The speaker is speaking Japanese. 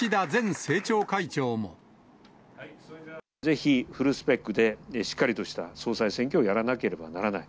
ぜひフルスペックでしっかりとした総裁選挙をやらなければならない。